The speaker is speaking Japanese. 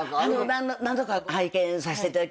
何度か拝見させていただきました。